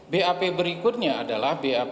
bap berikutnya adalah bap